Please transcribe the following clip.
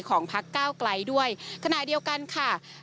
ของพักก้าวกรายด้วยขณะเดียวกันค่ะ